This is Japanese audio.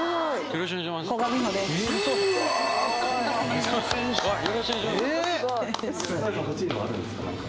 よろしくお願いします！